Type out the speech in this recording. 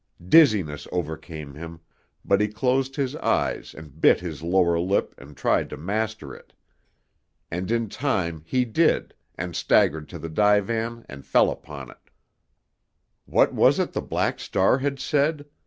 Dizziness overcame him, but he closed his eyes and bit his lower lip and tried to master it. And in time he did, and staggered to the divan and fell upon it. What was it the Black Star had said?